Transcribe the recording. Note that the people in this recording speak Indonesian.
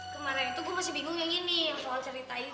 kemarin itu gue masih bingung yang ini yang soal cerita itu